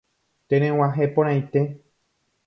Tereg̃uahẽporãite.